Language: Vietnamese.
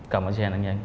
cầm những xe